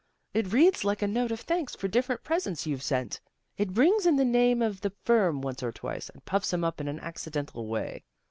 It reads like a note of thanks for different presents you've sent. It brings in the name of the firm once or twice, and puffs 'em up in an accidental way.